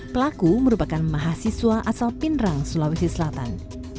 pelaku merupakan mahasiswa asal pindrang sulawesi selatan